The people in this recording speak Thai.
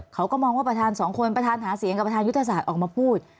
เขาก็มองว่าประธานสองคนประธานหาเสียงกับประธานยุทธศาสตร์ออกมาพูด